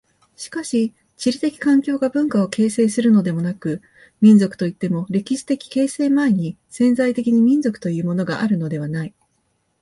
しかし地理的環境が文化を形成するのでもなく、民族といっても歴史的形成前に潜在的に民族というものがあるのではない。